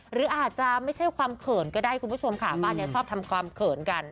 หรืออาจจะไม่ใช่ความเขินก็ได้คุณผู้ชมค่ะบ้านนี้ชอบทำความเขินกัน